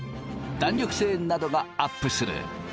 弾力性などがアップする。